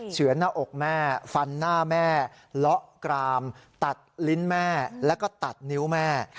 เฉือนหน้าอกแม่ฟันหน้าแม่เลาะกรามตัดลิ้นแม่แล้วก็ตัดนิ้วแม่